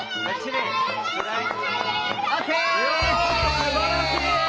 すばらしい！